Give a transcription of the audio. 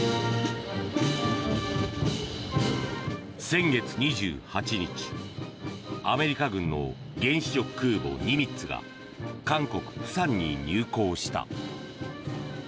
先月２８日アメリカ軍の原子力空母「ニミッツ」が韓国・釜山に入港した。